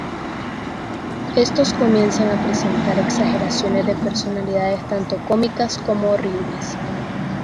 Estos comienzan a presentar exageraciones de personalidades tanto cómicas como horribles.